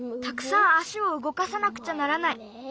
たくさんあしをうごかさなくちゃならない。